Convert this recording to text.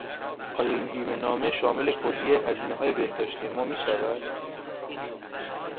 آیا این بیمهنامه شامل کلیهی هزینههای بهداشتی ما میشود؟